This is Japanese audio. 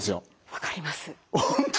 分かります。